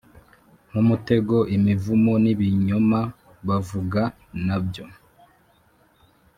Nk umutego imivumo n ibinyoma bavuga na byo